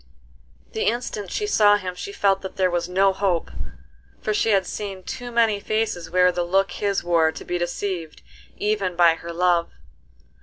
The instant she saw him she felt that there was no hope, for she had seen too many faces wear the look his wore to be deceived even by her love.